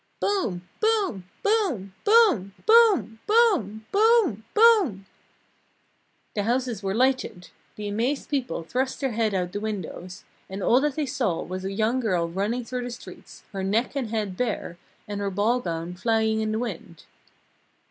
"Boom! Boom! Boom! Boom! Boom! Boom! Boom! Boom!" The houses were lighted. The amazed people thrust their heads out the windows. All that they saw was a young girl running through the streets, her neck and head bare, and her ball gown flying in the wind.